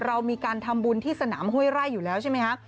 เรามีการทำบุญที่สนามห้วยไร่อยู่แล้วใช่ไหมคะ